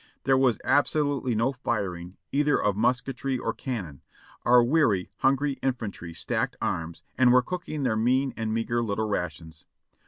There was absolutely no firing, either of musketry or cannon. Our weary, hungry infantry stacked arms and were cooking their mean and meagre little rations.